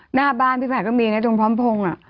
หน้าบ้านพี่ผัดก็มีนะตรงพร้อมพงศ์